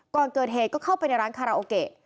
ก่อนเกิดเหตุก็เข้าไปในร้านคาราโอเกะ